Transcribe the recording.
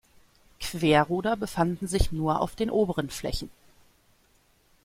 Querruder befanden sich nur auf den oberen Flächen.